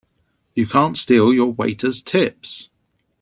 You can't steal your waiters' tips!